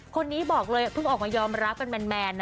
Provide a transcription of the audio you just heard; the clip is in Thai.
คนนี้บอกเลยเพิ่งออกมายอมรับกันแมนนะ